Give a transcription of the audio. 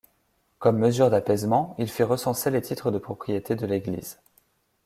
Comme mesure d'apaisement, il fit recenser les titres de propriété de l'Église.